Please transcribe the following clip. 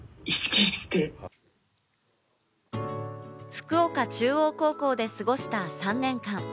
福岡中央高校で過ごした３年間。